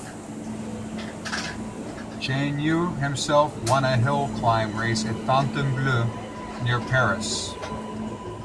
Chaigneau himself won a hill climb race at Fontainebleau, near Paris.